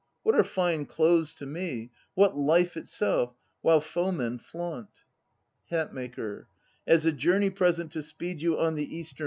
What are fine clothes to me, what life itself while foemen flaunt? HATMAKER. As a journey present to speed you on the Eastern road